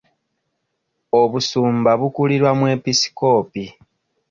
Obusumba bukulirwa mwepisikoopi.